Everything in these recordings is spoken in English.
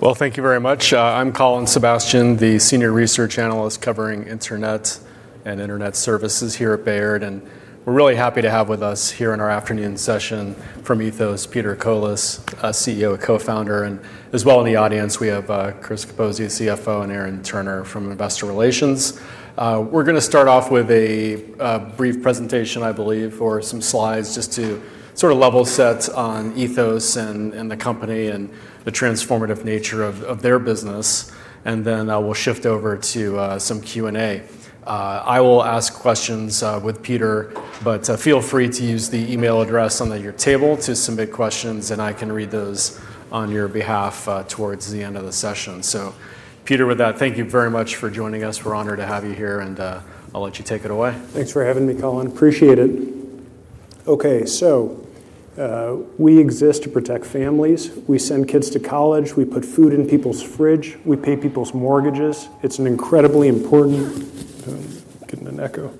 Well, thank you very much. I'm Colin Sebastian, the senior research analyst covering internet and internet services here at Baird. We're really happy to have with us here in our afternoon session from Ethos, Peter Colis, CEO and co-founder, and as well in the audience, we have Chris Capozzi, CFO, and Aaron Turner from Investor Relations. We're going to start off with a brief presentation, I believe, or some slides just to sort of level set on Ethos and the company and the transformative nature of their business. Then we'll shift over to some Q&A. I will ask questions with Peter, but feel free to use the email address on your table to submit questions, and I can read those on your behalf towards the end of the session. Peter, with that, thank you very much for joining us. We're honored to have you here, and I'll let you take it away. Thanks for having me, Colin. Appreciate it. We exist to protect families. We send kids to college. We put food in people's fridge. We pay people's mortgages. It's an incredibly important Getting an echo.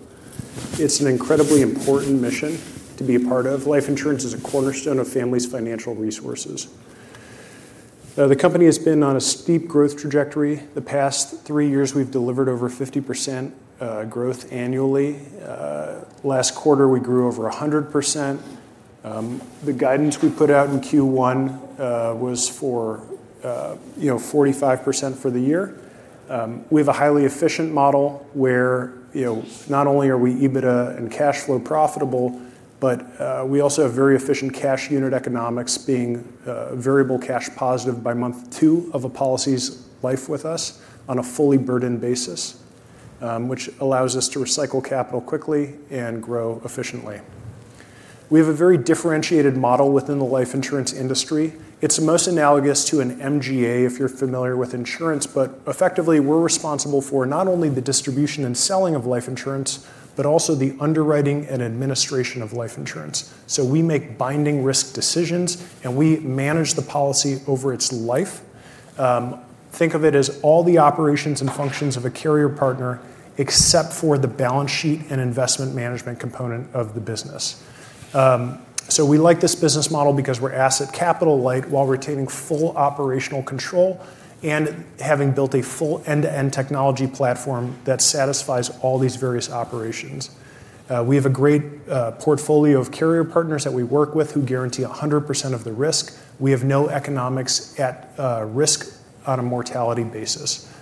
It's an incredibly important mission to be a part of. Life insurance is a cornerstone of families' financial resources. The company has been on a steep growth trajectory. The past three years we've delivered over 50% growth annually. Last quarter, we grew over 100%. The guidance we put out in Q1 was for 45% for the year. We have a highly efficient model where not only are we EBITDA and cash flow profitable, but we also have very efficient cash unit economics being variable cash positive by month two of a policy's life with us on a fully burdened basis, which allows us to recycle capital quickly and grow efficiently. We have a very differentiated model within the life insurance industry. It's most analogous to an MGA, if you're familiar with insurance. Effectively, we're responsible for not only the distribution and selling of life insurance, but also the underwriting and administration of life insurance. We make binding risk decisions, and we manage the policy over its life. Think of it as all the operations and functions of a carrier partner, except for the balance sheet and investment management component of the business. We like this business model because we're asset capital light while retaining full operational control and having built a full end-to-end technology platform that satisfies all these various operations. We have a great portfolio of carrier partners that we work with who guarantee 100% of the risk. We have no economics at risk on a mortality basis.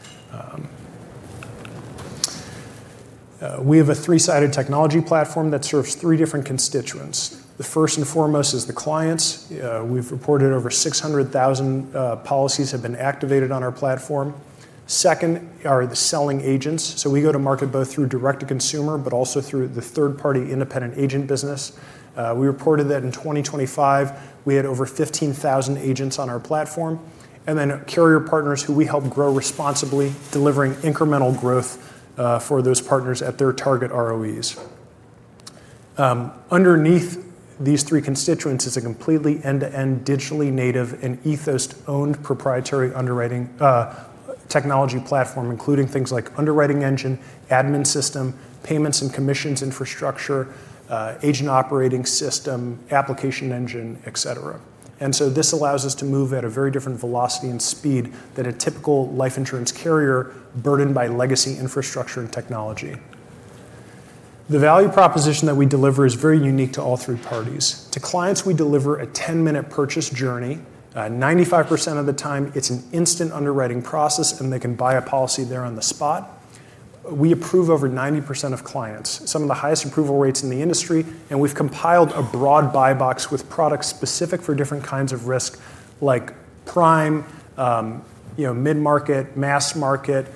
We have a three-sided technology platform that serves three different constituents. The first and foremost is the clients. We've reported over 600,000 policies have been activated on our platform. Second are the selling agents. We go to market both through D2C, but also through the third-party independent agent business. We reported that in 2025, we had over 15,000 agents on our platform. Carrier partners who we help grow responsibly, delivering incremental growth for those partners at their target ROEs. Underneath these three constituents is a completely end-to-end digitally native and Ethos-owned proprietary underwriting technology platform, including things like underwriting engine, admin system, payments and commissions infrastructure, agent operating system, application engine, et cetera. This allows us to move at a very different velocity and speed than a typical life insurance carrier burdened by legacy infrastructure and technology. The value proposition that we deliver is very unique to all three parties. To clients, we deliver a 10-minute purchase journey. 95% of the time, it's an instant underwriting process, and they can buy a policy there on the spot. We approve over 90% of clients, some of the highest approval rates in the industry, and we've compiled a broad buy box with products specific for different kinds of risk like prime, mid-market, mass market,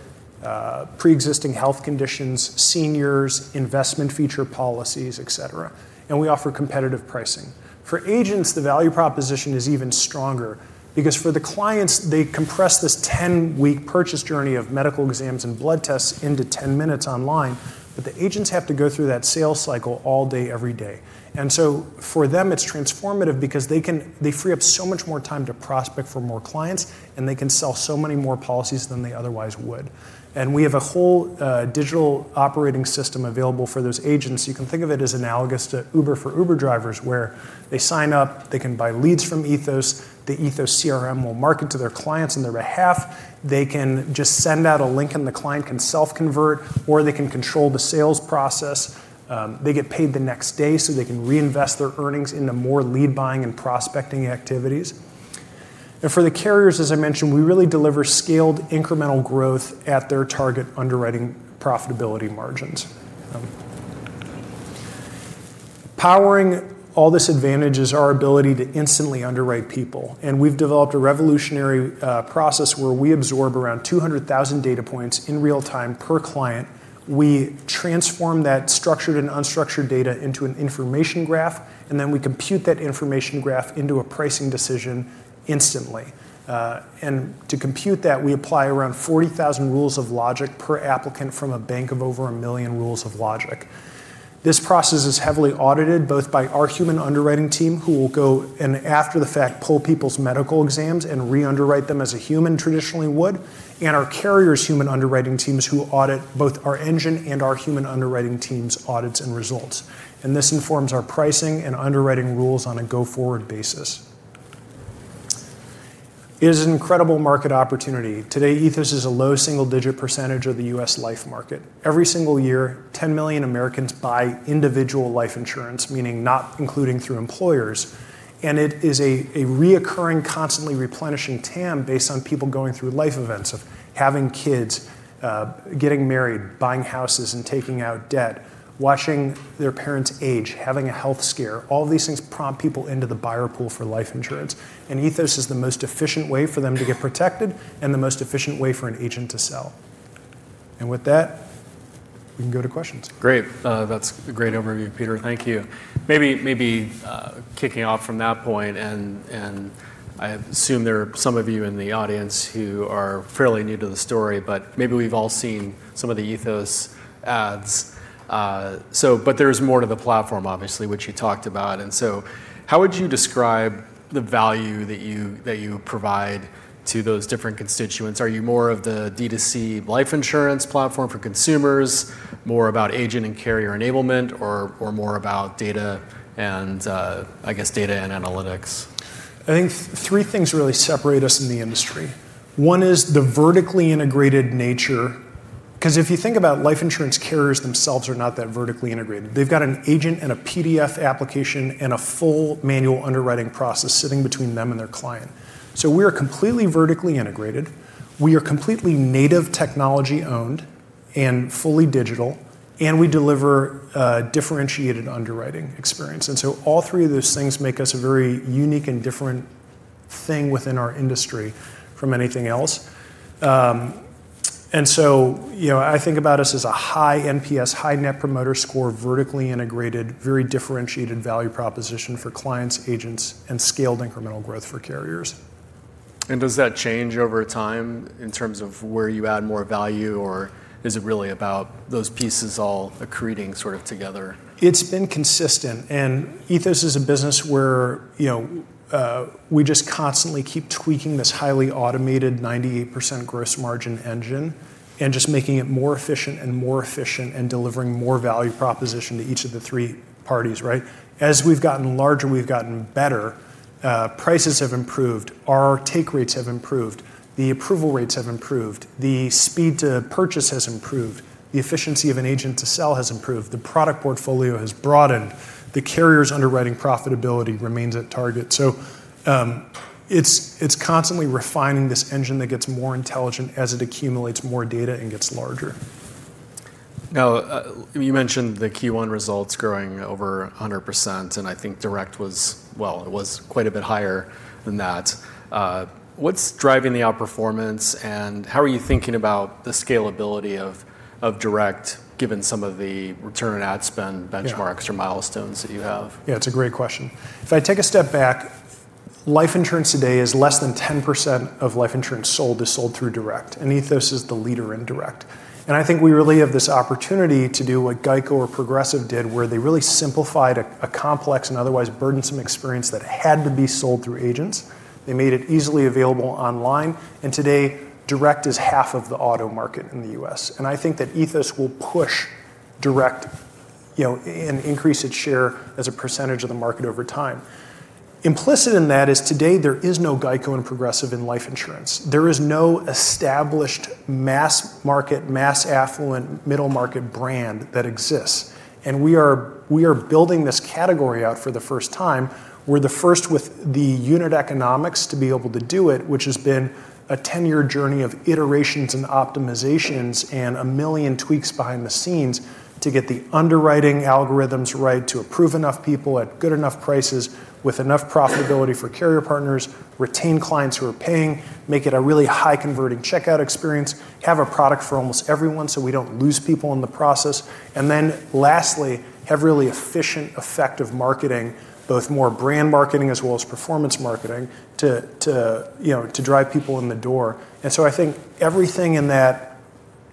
pre-existing health conditions, seniors, investment feature policies, et cetera. We offer competitive pricing. For agents, the value proposition is even stronger because for the clients, they compress this 10-week purchase journey of medical exams and blood tests into 10 minutes online. The agents have to go through that sales cycle all day, every day. For them, it's transformative because they free up so much more time to prospect for more clients, and they can sell so many more policies than they otherwise would. We have a whole digital operating system available for those agents. You can think of it as analogous to Uber for Uber drivers, where they sign up, they can buy leads from Ethos. The Ethos CRM will market to their clients on their behalf. They can just send out a link, and the client can self-convert, or they can control the sales process. They get paid the next day, so they can reinvest their earnings into more lead buying and prospecting activities. For the carriers, as I mentioned, we really deliver scaled incremental growth at their target underwriting profitability margins. Powering all this advantage is our ability to instantly underwrite people. We've developed a revolutionary process where we absorb around 200,000 data points in real time per client. We transform that structured and unstructured data into an information graph, then we compute that information graph into a pricing decision instantly. To compute that, we apply around 40,000 rules of logic per applicant from a bank of over 1 million rules of logic. This process is heavily audited both by our human underwriting team, who will go and after the fact pull people's medical exams and re-underwrite them as a human traditionally would, and our carrier's human underwriting teams who audit both our engine and our human underwriting team's audits and results. This informs our pricing and underwriting rules on a go-forward basis. It is an incredible market opportunity. Today, Ethos is a low single-digit percent of the U.S. life market. Every single year, 10 million Americans buy individual life insurance, meaning not including through employers. It is a reoccurring, constantly replenishing TAM based on people going through life events of having kids, getting married, buying houses, and taking out debt, watching their parents age, having a health scare. All these things prompt people into the buyer pool for life insurance, and Ethos is the most efficient way for them to get protected and the most efficient way for an agent to sell. With that, we can go to questions. Great. That's a great overview, Peter. Thank you. Maybe kicking off from that point, I assume there are some of you in the audience who are fairly new to the story, maybe we've all seen some of the Ethos ads. There's more to the platform, obviously, which you talked about. How would you describe the value that you provide to those different constituents? Are you more of the D2C life insurance platform for consumers, more about agent and carrier enablement, or more about data and analytics? I think three things really separate us in the industry. One is the vertically integrated nature, because if you think about life insurance carriers themselves are not that vertically integrated. They've got an agent and a PDF application and a full manual underwriting process sitting between them and their client. We are completely vertically integrated. We are completely native technology owned and fully digital, and we deliver a differentiated underwriting experience. All three of those things make us a very unique and different thing within our industry from anything else. I think about us as a high NPS, high net promoter score, vertically integrated, very differentiated value proposition for clients, agents, and scaled incremental growth for carriers. Does that change over time in terms of where you add more value, or is it really about those pieces all accreting sort of together? It's been consistent, and Ethos is a business where we just constantly keep tweaking this highly automated, 98% gross margin engine and just making it more efficient and more efficient and delivering more value proposition to each of the three parties, right? As we've gotten larger, we've gotten better. Prices have improved. Our take rates have improved. The approval rates have improved. The speed to purchase has improved. The efficiency of an agent to sell has improved. The product portfolio has broadened. The carrier's underwriting profitability remains at target. It's constantly refining this engine that gets more intelligent as it accumulates more data and gets larger. Now, you mentioned the Q1 results growing over 100%, and I think direct was, well, it was quite a bit higher than that. What's driving the outperformance, and how are you thinking about the scalability of direct given some of the return on ad spend benchmarks- Yeah. milestones that you have? Yeah, it's a great question. If I take a step back, life insurance today is less than 10% of life insurance sold is sold through direct. Ethos is the leader in direct. I think we really have this opportunity to do what GEICO or Progressive did, where they really simplified a complex and otherwise burdensome experience that had to be sold through agents. They made it easily available online. Today, direct is half of the auto market in the U.S. I think that Ethos will push direct and increase its share as a percent of the market over time. Implicit in that is today, there is no GEICO and Progressive in life insurance. There is no established mass market, mass affluent middle-market brand that exists. We are building this category out for the first time. We're the first with the unit economics to be able to do it, which has been a 10-year journey of iterations and optimizations and a million tweaks behind the scenes to get the underwriting algorithms right to approve enough people at good enough prices with enough profitability for carrier partners, retain clients who are paying, make it a really high converting checkout experience, have a product for almost everyone so we don't lose people in the process. Lastly, have really efficient, effective marketing, both more brand marketing as well as performance marketing to drive people in the door. I think everything in that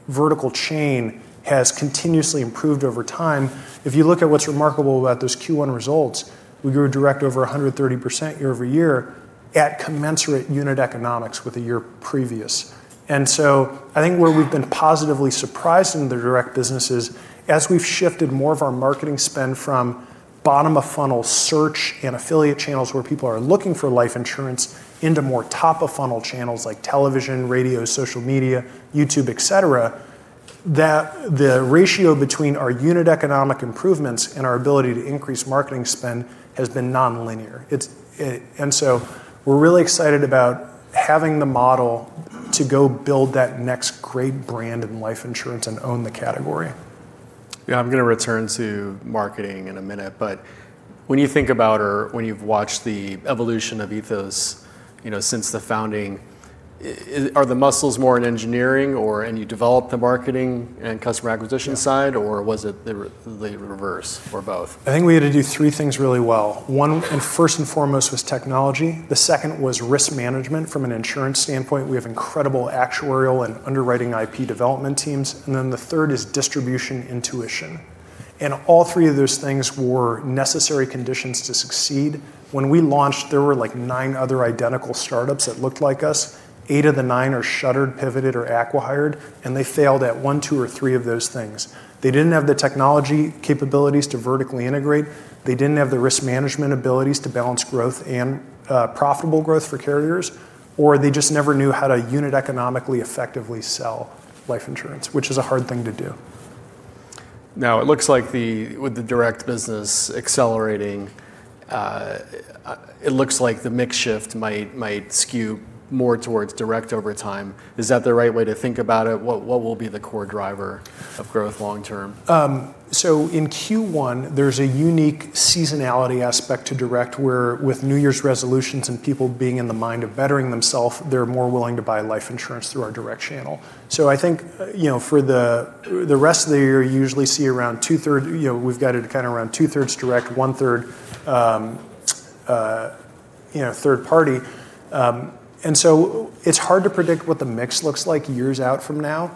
vertical chain has continuously improved over time. If you look at what's remarkable about those Q1 results, we grew direct over 130% year-over-year at commensurate unit economics with the year previous. I think where we've been positively surprised in the direct business is as we've shifted more of our marketing spend from bottom-of-funnel search and affiliate channels where people are looking for life insurance into more top-of-funnel channels like television, radio, social media, YouTube, et cetera, that the ratio between our unit economic improvements and our ability to increase marketing spend has been non-linear. We're really excited about having the model to go build that next great brand in life insurance and own the category. Yeah, I'm going to return to marketing in a minute, but when you think about or when you've watched the evolution of Ethos since the founding, are the muscles more in engineering and you developed the marketing and customer acquisition side or was it the reverse or both? I think we had to do three things really well. One, and first and foremost, was technology. The second was risk management from an insurance standpoint. We have incredible actuarial and underwriting IP development teams. The third is distribution intuition. All three of those things were necessary conditions to succeed. When we launched, there were nine other identical startups that looked like us. Eight of the nine are shuttered, pivoted, or acqui-hired, and they failed at one, two, or three of those things. They didn't have the technology capabilities to vertically integrate, they didn't have the risk management abilities to balance growth and profitable growth for carriers, or they just never knew how to unit economically effectively sell life insurance, which is a hard thing to do. Now, with the direct business accelerating, it looks like the mix shift might skew more towards direct over time. Is that the right way to think about it? What will be the core driver of growth long term? In Q1, there's a unique seasonality aspect to direct where with New Year's resolutions and people being in the mind of bettering themself, they're more willing to buy life insurance through our direct channel. I think for the rest of the year, usually see around two-third, we've got it kind of around two-thirds direct, one-third third party. It's hard to predict what the mix looks like years out from now.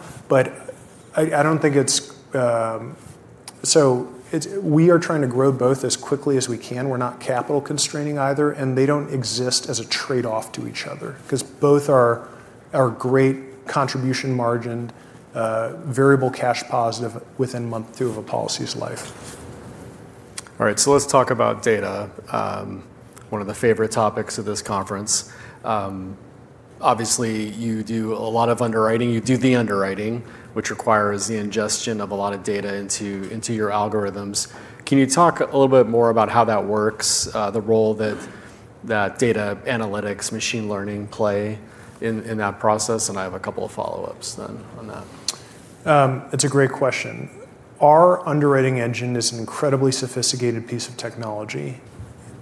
We are trying to grow both as quickly as we can. We're not capital constraining either, and they don't exist as a trade-off to each other because both are great contribution margined, variable cash positive within month two of a policy's life. All right, let's talk about data. One of the favorite topics of this conference. Obviously, you do a lot of underwriting. You do the underwriting, which requires the ingestion of a lot of data into your algorithms. Can you talk a little bit more about how that works, the role that data analytics, machine learning play in that process? I have a couple of follow-ups then on that. It's a great question. Our underwriting engine is an incredibly sophisticated piece of technology.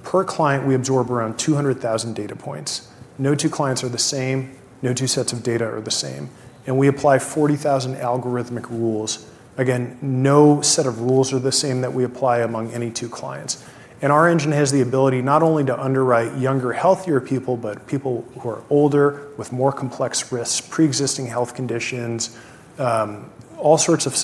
Per client, we absorb around 200,000 data points. No two clients are the same, no two sets of data are the same. We apply 40,000 algorithmic rules. Again, no set of rules are the same that we apply among any two clients. Our engine has the ability not only to underwrite younger, healthier people, but people who are older with more complex risks, pre-existing health conditions, all sorts of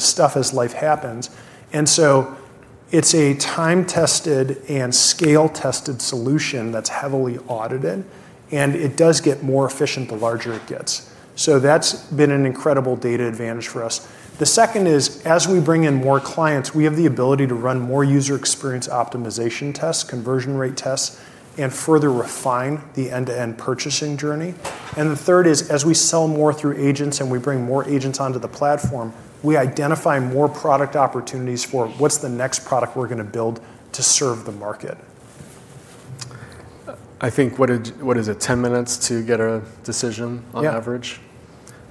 stuff as life happens. It's a time-tested and scale-tested solution that's heavily audited, and it does get more efficient the larger it gets. That's been an incredible data advantage for us. The second is, as we bring in more clients, we have the ability to run more user experience optimization tests, conversion rate tests, and further refine the end-to-end purchasing journey. The third is, as we sell more through agents and we bring more agents onto the platform, we identify more product opportunities for what's the next product we're going to build to serve the market. I think, what is it, 10 minutes to get a decision on average?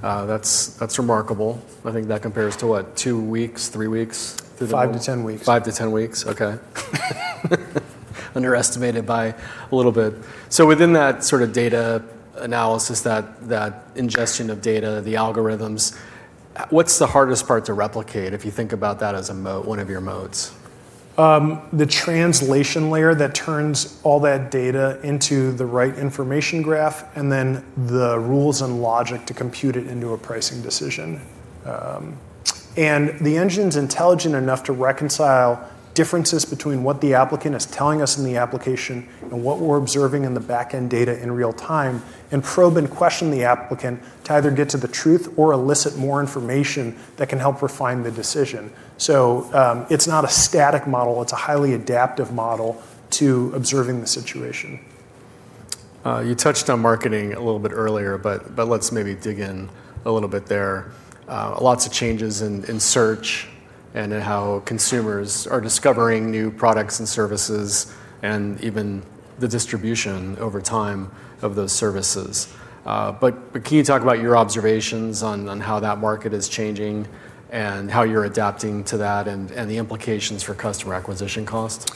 Yeah. That's remarkable. I think that compares to what? Two weeks, three weeks? 5-10 weeks. 5-10 weeks. Okay. Underestimated by a little bit. Within that sort of data analysis, that ingestion of data, the algorithms, what's the hardest part to replicate if you think about that as one of your modes? The translation layer that turns all that data into the right information graph, then the rules and logic to compute it into a pricing decision. The engine's intelligent enough to reconcile differences between what the applicant is telling us in the application and what we're observing in the back-end data in real time, and probe and question the applicant to either get to the truth or elicit more information that can help refine the decision. It's not a static model. It's a highly adaptive model to observing the situation. You touched on marketing a little bit earlier, let's maybe dig in a little bit there. Lots of changes in search and in how consumers are discovering new products and services and even the distribution over time of those services. Can you talk about your observations on how that market is changing and how you're adapting to that and the implications for customer acquisition cost?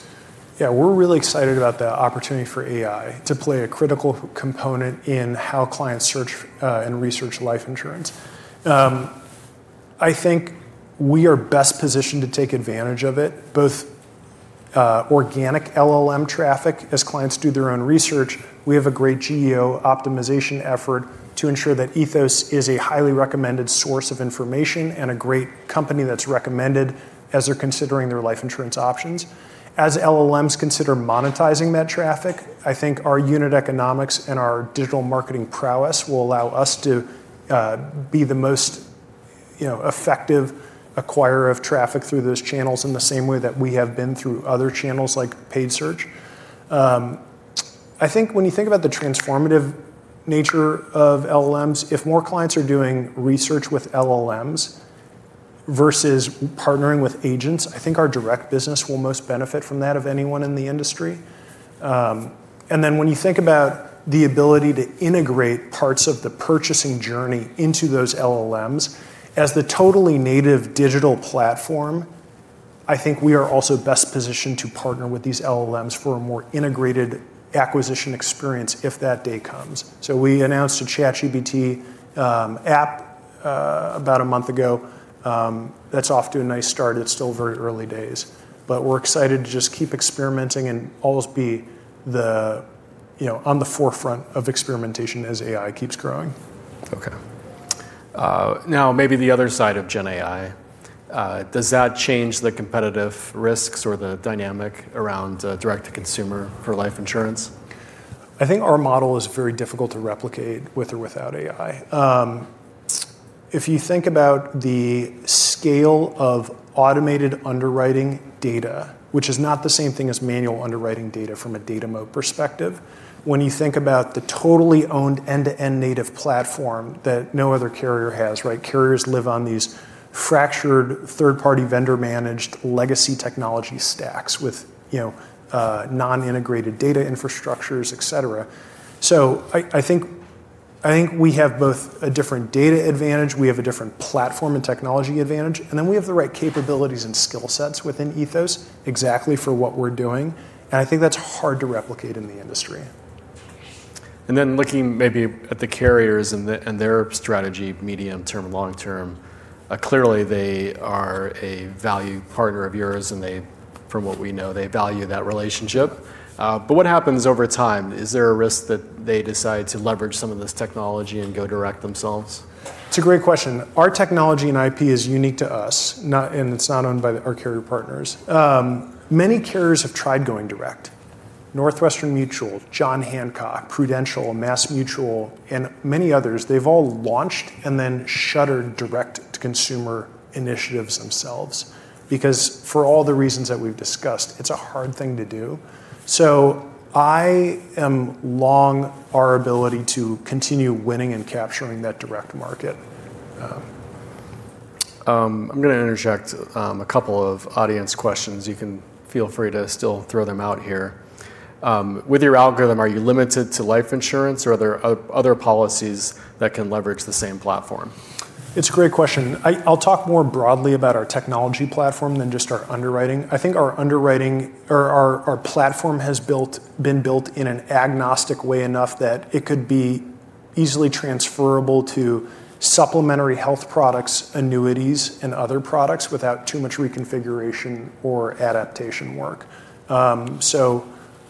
Yeah, we're really excited about the opportunity for AI to play a critical component in how clients search and research life insurance. I think we are best positioned to take advantage of it, both organic LLM traffic as clients do their own research. We have a great GEO optimization effort to ensure that Ethos is a highly recommended source of information and a great company that's recommended as they're considering their life insurance options. As LLMs consider monetizing that traffic, I think our unit economics and our digital marketing prowess will allow us to be the most effective acquirer of traffic through those channels in the same way that we have been through other channels like paid search. I think when you think about the transformative nature of LLMs, if more clients are doing research with LLMs versus partnering with agents, I think our direct business will most benefit from that of anyone in the industry. When you think about the ability to integrate parts of the purchasing journey into those LLMs as the totally native digital platform, I think we are also best positioned to partner with these LLMs for a more integrated acquisition experience if that day comes. We announced a ChatGPT app about a month ago. That's off to a nice start. It's still very early days, but we're excited to just keep experimenting and always be on the forefront of experimentation as AI keeps growing. Okay. Now, maybe the other side of Gen AI, does that change the competitive risks or the dynamic around direct-to-consumer for life insurance? I think our model is very difficult to replicate with or without AI. If you think about the scale of automated underwriting data, which is not the same thing as manual underwriting data from a data mode perspective, when you think about the totally owned end-to-end native platform that no other carrier has, right? Carriers live on these fractured, third-party vendor managed legacy technology stacks with non-integrated data infrastructures, et cetera. I think we have both a different data advantage, we have a different platform and technology advantage, and then we have the right capabilities and skill sets within Ethos exactly for what we're doing. I think that's hard to replicate in the industry. Looking maybe at the carriers and their strategy medium term, long term, clearly they are a value partner of yours and from what we know, they value that relationship. What happens over time? Is there a risk that they decide to leverage some of this technology and go direct themselves? It's a great question. Our technology and IP is unique to us, and it's not owned by our carrier partners. Many carriers have tried going direct. Northwestern Mutual, John Hancock, Prudential, MassMutual, and many others. They've all launched and then shuttered direct-to-consumer initiatives themselves. For all the reasons that we've discussed, it's a hard thing to do. I am long our ability to continue winning and capturing that direct market. I'm going to interject a couple of audience questions. You can feel free to still throw them out here. With your algorithm, are you limited to life insurance or are there other policies that can leverage the same platform? It's a great question. I'll talk more broadly about our technology platform than just our underwriting. I think our underwriting or our platform has been built in an agnostic way enough that it could be easily transferable to supplementary health products, annuities, and other products without too much reconfiguration or adaptation work.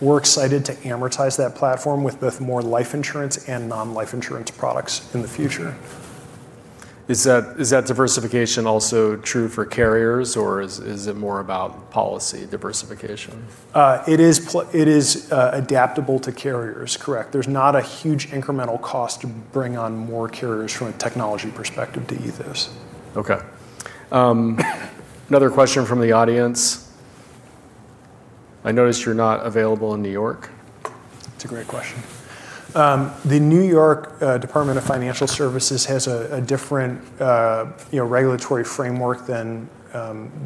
We're excited to amortize that platform with both more life insurance and non-life insurance products in the future. Is that diversification also true for carriers or is it more about policy diversification? It is adaptable to carriers, correct. There's not a huge incremental cost to bring on more carriers from a technology perspective to Ethos. Okay. Another question from the audience. I noticed you're not available in New York. That's a great question. The New York State Department of Financial Services has a different regulatory framework than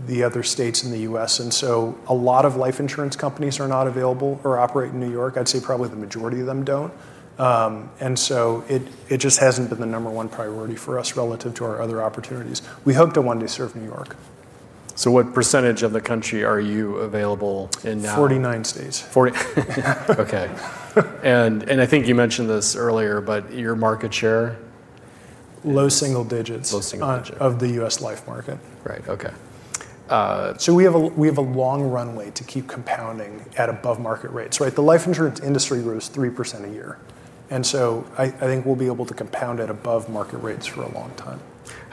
the other states in the U.S. and so a lot of life insurance companies are not available or operate in New York. I'd say probably the majority of them don't. It just hasn't been the number one priority for us relative to our other opportunities. We hope to one day serve New York. What percentage of the country are you available in now? 49 states. Okay. I think you mentioned this earlier, your market share? Low single digits- Low single digits. of the U.S. life market. Right. Okay. We have a long runway to keep compounding at above market rates. Right? The life insurance industry grows 3% a year, I think we'll be able to compound at above market rates for a long time.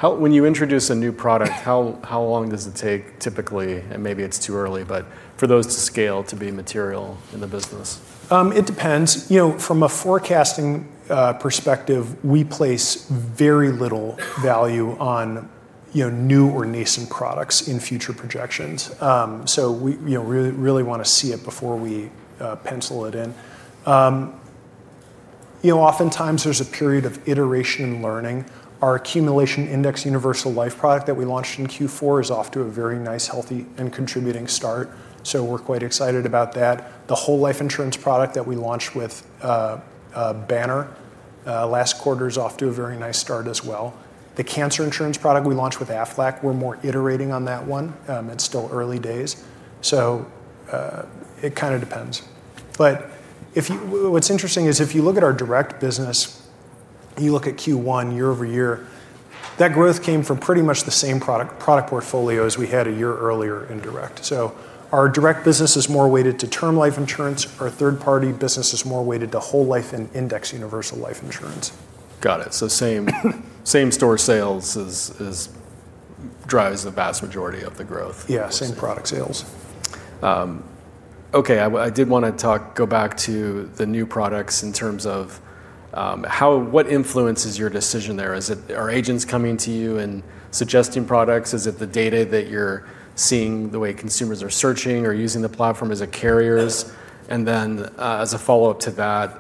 When you introduce a new product, how long does it take typically, and maybe it's too early, but for those to scale to be material in the business? It depends. From a forecasting perspective, we place very little value on new or nascent products in future projections. We really want to see it before we pencil it in. Oftentimes there's a period of iteration and learning. Our Accumulation Indexed Universal Life product that we launched in Q4 is off to a very nice, healthy, and contributing start. We're quite excited about that. The whole life insurance product that we launched with Banner last quarter is off to a very nice start as well. The cancer insurance product we launched with Aflac, we're more iterating on that one. It's still early days. It kind of depends. What's interesting is if you look at our direct business, you look at Q1 year-over-year, that growth came from pretty much the same product portfolio as we had a year earlier in direct. Our direct business is more weighted to term life insurance. Our third-party business is more weighted to whole life and indexed universal life insurance. Got it. Same store sales drives the vast majority of the growth. Yeah. Same product sales. Okay. I did want to go back to the new products in terms of what influences your decision there. Are agents coming to you and suggesting products? Is it the data that you're seeing, the way consumers are searching or using the platform? Is it carriers? Then, as a follow-up to that,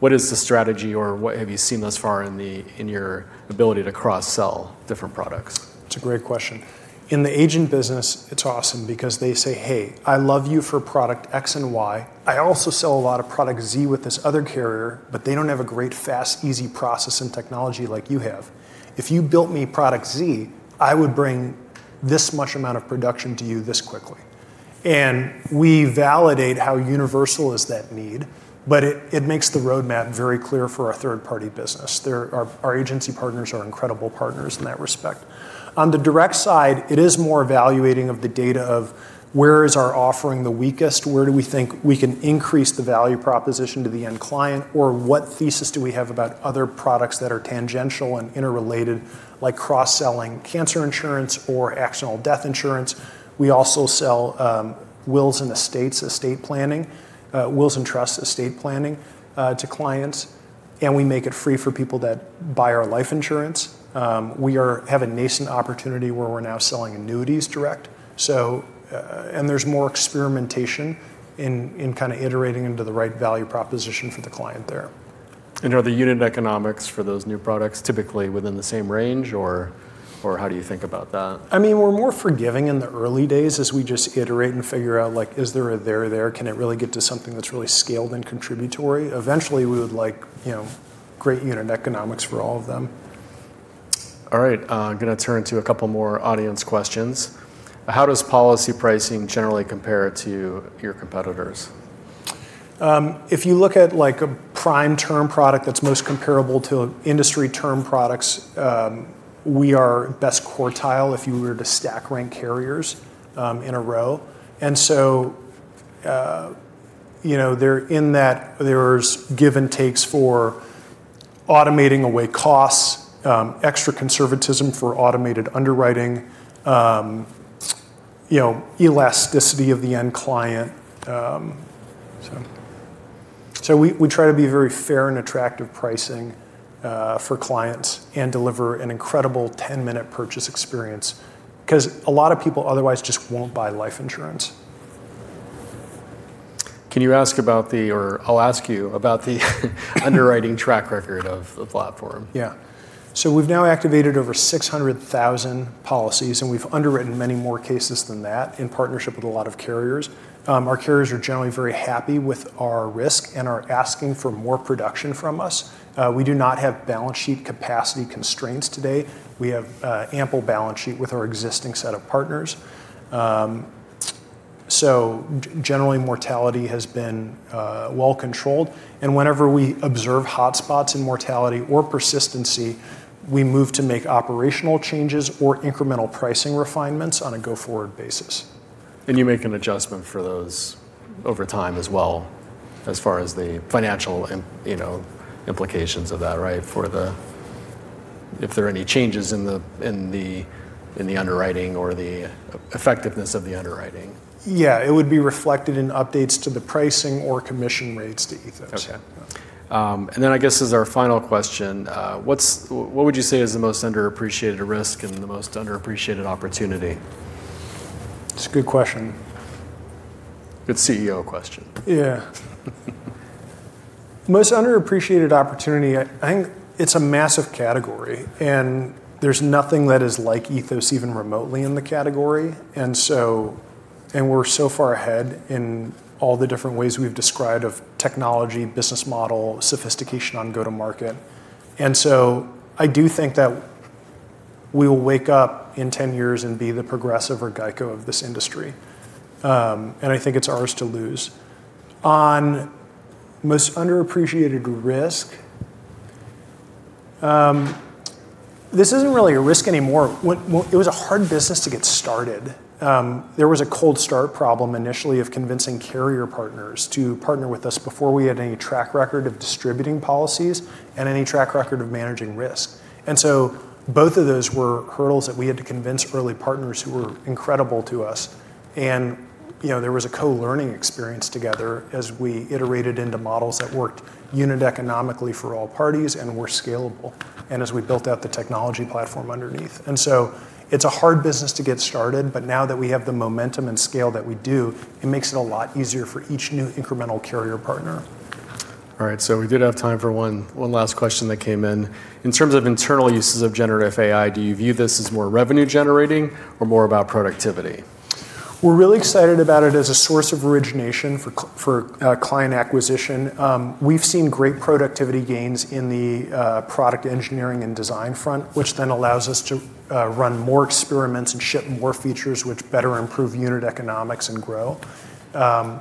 what is the strategy or what have you seen thus far in your ability to cross-sell different products? It's a great question. In the agent business, it's awesome because they say, "Hey, I love you for product X and Y. I also sell a lot of product Z with this other carrier, but they don't have a great, fast, easy process and technology like you have. If you built me product Z, I would bring this much amount of production to you this quickly." We validate how universal is that need, but it makes the roadmap very clear for our third-party business. Our agency partners are incredible partners in that respect. On the direct side, it is more evaluating of the data of where is our offering the weakest, where do we think we can increase the value proposition to the end client, or what thesis do we have about other products that are tangential and interrelated, like cross-selling cancer insurance or accidental death insurance. We also sell wills and estates, estate planning, wills and trusts, estate planning to clients, and we make it free for people that buy our life insurance. We have a nascent opportunity where we're now selling annuities direct. There's more experimentation in iterating into the right value proposition for the client there. Are the unit economics for those new products typically within the same range, or how do you think about that? We're more forgiving in the early days as we just iterate and figure out, is there a there there? Can it really get to something that's really scaled and contributory? Eventually, we would like great unit economics for all of them. All right. I'm going to turn to a couple more audience questions. How does policy pricing generally compare to your competitors? If you look at a prime term product that's most comparable to industry term products, we are best quartile if you were to stack rank carriers in a row. In that, there's give and takes for automating away costs, extra conservatism for automated underwriting, elasticity of the end client. We try to be very fair and attractive pricing for clients and deliver an incredible 10-minute purchase experience, because a lot of people otherwise just won't buy life insurance. Can you ask about the, or I'll ask you about the underwriting track record of the platform? Yeah. We've now activated over 600,000 policies, and we've underwritten many more cases than that in partnership with a lot of carriers. Our carriers are generally very happy with our risk and are asking for more production from us. We do not have balance sheet capacity constraints today. We have ample balance sheet with our existing set of partners. Generally, mortality has been well controlled, and whenever we observe hotspots in mortality or persistency, we move to make operational changes or incremental pricing refinements on a go-forward basis. You make an adjustment for those over time as well, as far as the financial implications of that, right? If there are any changes in the underwriting or the effectiveness of the underwriting. It would be reflected in updates to the pricing or commission rates to Ethos. Okay. I guess as our final question, what would you say is the most underappreciated risk and the most underappreciated opportunity? It's a good question. Good CEO question. Yeah. Most underappreciated opportunity, I think it's a massive category, and there's nothing that is like Ethos even remotely in the category. We're so far ahead in all the different ways we've described of technology, business model, sophistication on go to market. I do think that we will wake up in 10 years and be the Progressive or GEICO of this industry. I think it's ours to lose. On most underappreciated risk, this isn't really a risk anymore. It was a hard business to get started. There was a cold start problem initially of convincing carrier partners to partner with us before we had any track record of distributing policies and any track record of managing risk. Both of those were hurdles that we had to convince early partners who were incredible to us. There was a co-learning experience together as we iterated into models that worked unit economically for all parties and were scalable, and as we built out the technology platform underneath. It's a hard business to get started, but now that we have the momentum and scale that we do, it makes it a lot easier for each new incremental carrier partner. All right, we did have time for one last question that came in. In terms of internal uses of generative AI, do you view this as more revenue generating or more about productivity? We're really excited about it as a source of origination for client acquisition. We've seen great productivity gains in the product engineering and design front, which then allows us to run more experiments and ship more features which better improve unit economics and grow.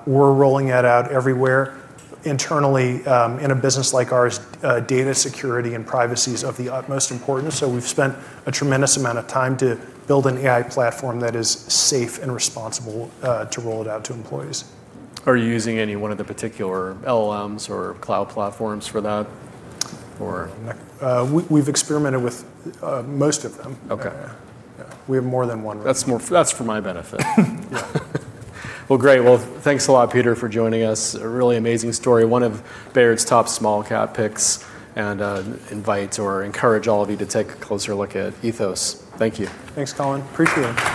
We're rolling that out everywhere internally. In a business like ours, data security and privacy is of the utmost importance, so we've spent a tremendous amount of time to build an AI platform that is safe and responsible to roll it out to employees. Are you using any one of the particular LLMs or cloud platforms for that? We've experimented with most of them. Okay. Yeah. We have more than one right now. That's for my benefit. Yeah. Well, great. Well, thanks a lot, Peter, for joining us. A really amazing story, one of Baird's top small-cap picks, and invite or encourage all of you to take a closer look at Ethos. Thank you. Thanks, Colin. Appreciate it.